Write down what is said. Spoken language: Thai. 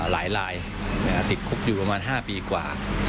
ลายติดคุกอยู่ประมาณ๕ปีกว่า